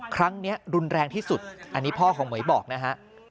ครั้งนี้รุนแรงที่สุดอันนี้พ่อของเหม๋ยบอกนะฮะ